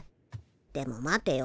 でも待てよ。